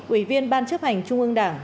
ủy viên ban chấp hành trung ương đảng